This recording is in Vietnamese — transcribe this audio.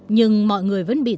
nhưng mọi người vẫn bị dịp